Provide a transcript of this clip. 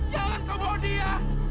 jangan keboh dia